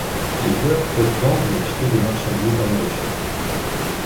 Les joueurs peuvent vendre et acheter des marchandises dans leur échoppe.